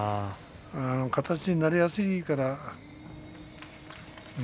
形になりやすいから。